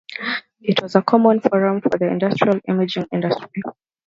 It was a common forum for the industrial imaging industry.